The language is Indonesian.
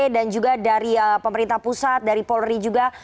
dan juga dari pemerintah pusat dari polri juga